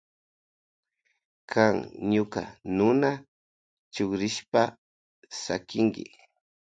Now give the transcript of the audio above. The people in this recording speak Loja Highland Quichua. Kan ñuka nuna chukrichishpa sakinki.